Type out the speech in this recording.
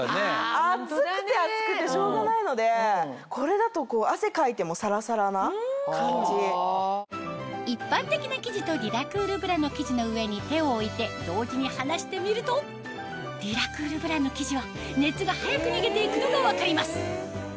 暑くて暑くてしょうがないのでこれだと。一般的な生地とリラクールブラの生地の上に手を置いて同時に離してみるとリラクールブラの生地は熱が早く逃げて行くのが分かります